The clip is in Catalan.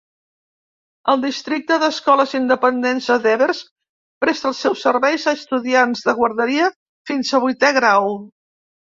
El districte d'escoles independents de Devers presta els seus serveis a estudiants de guarderia fins a vuitè grau.